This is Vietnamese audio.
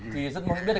thì rất muốn biết